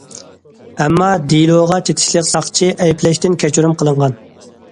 ئەمما دېلوغا چېتىشلىق ساقچى ئەيىبلەشتىن كەچۈرۈم قىلىنغان.